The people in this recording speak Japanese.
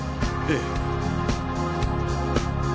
ええ。